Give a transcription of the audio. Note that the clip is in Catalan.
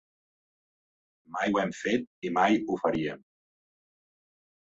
Mai ho hem fet i mai ho faríem.